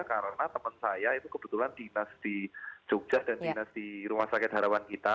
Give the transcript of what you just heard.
karena teman saya itu kebetulan dinas di jogja dan dinas di rumah sakit harapan kita